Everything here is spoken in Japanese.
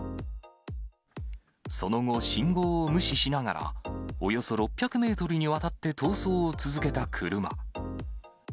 その後、信号を無視しながら、およそ６００メートルにわたって逃走を続けた車。